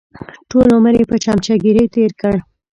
ټول عمر یې په چمچهګیري تېر کړ.